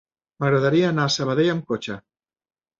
M'agradaria anar a Sabadell amb cotxe.